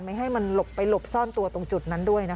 ไม่ให้มันหลบไปหลบซ่อนตัวตรงจุดนั้นด้วยนะคะ